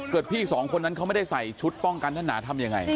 พี่สองคนนั้นเขาไม่ได้ใส่ชุดป้องกันท่านหนาทำยังไง